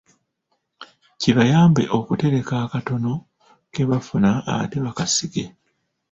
Kibayambe okutereka akatono ke bafuna ate bakasige.